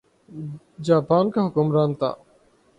Japan کا حکمران تھا۔